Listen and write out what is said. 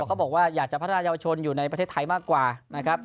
เขาบอกว่าอยากจะพัฒนายาวชนอยู่ในประเทศไทยมากกว่านะครับ